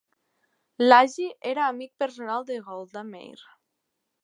Laghi era amic personal de Golda Meir.